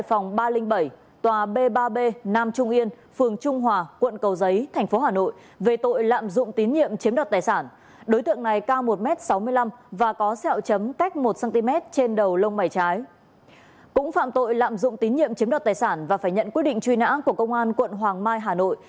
cũng phạm tội lạm dụng tín nhiệm chiếm đoạt tài sản và phải nhận quyết định truy nã của công an quận hoàng mai hà nội